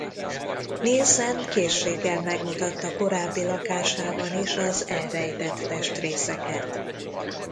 Nilsen készséggel megmutatta korábbi lakásában is az elrejtett testrészeket.